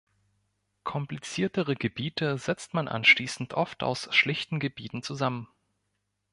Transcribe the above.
Kompliziertere Gebiete setzt man anschließend oft aus schlichten Gebieten zusammen.